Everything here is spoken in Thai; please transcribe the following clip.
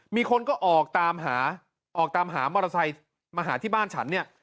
มีคนก็ออกตามหาออกตามหามอเตอร์ไซค์มาหาที่บ้านฉันเนี่ย